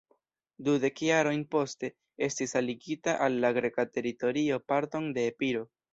Dudek jarojn poste, estis aligita al la greka teritorio parton de Epiro.